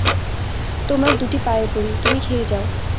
তোমার দুটি পায়ে পড়ি, তুমি খেয়ে যাও।